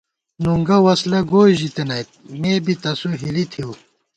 نُنگہ وسلہ گوئی ژِتنَئیت، مے بی تسُو ہِلی تھِؤ